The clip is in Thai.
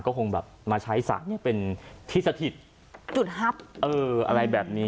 ก็คงแบบมาใช้สระเนี่ยเป็นที่สถิตจุดฮับเอออะไรแบบนี้